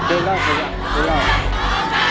เอาล่ะเอาล่ะ